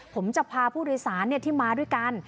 ผมจะพาผู้โดยสารที่มาด้วยกัน